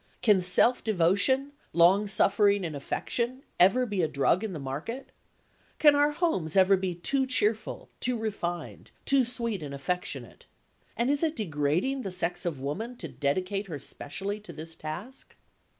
Can self devotion, long suffering and affection ever be a drug in the market? Can our homes ever be too cheerful, too refined, too sweet and affectionate? And is it degrading the sex of woman to dedicate her specially to this task?"